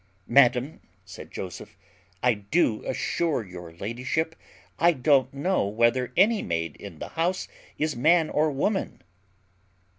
"Madam," said Joseph, "I do assure your ladyship I don't know whether any maid in the house is man or woman."